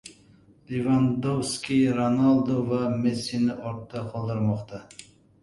Levandovski Ronaldu va Messini ortda qoldirmoqda